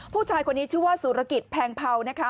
ผู้ชายคนนี้ชื่อว่าสุรกิจแพงเผานะคะ